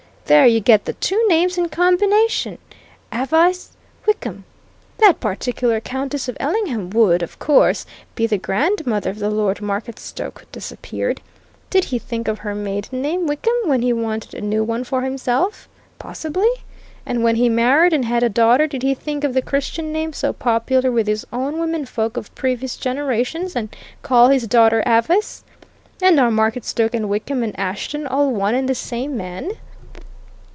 There you get the two names in combination Avice Wickham. That particular Countess of Ellingham would, of course, be the grandmother of the Lord Marketstoke who disappeared. Did he think of her maiden name, Wickham, when he wanted a new one for himself? Possibly! And when he married, and had a daughter, did he think of the Christian name so popular with his own womenfolk of previous generations, and call his daughter Avice? And are Marketstoke and Wickham and Ashton all one and the same man?"